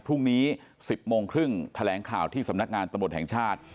พรุ่งนี้๑๐โมงครึ่งแถลงข่าวที่สำนักงานตำรวจแห่งชาติ